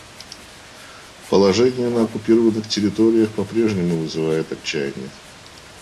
Положение на оккупированных территориях попрежнему вызывает отчаяние.